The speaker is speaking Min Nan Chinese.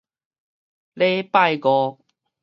禮拜五